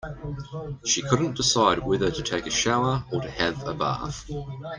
She couldn't decide whether to take a shower or to have a bath.